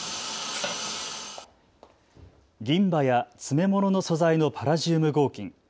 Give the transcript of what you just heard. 銀歯や詰め物の素材のパラジウム合金。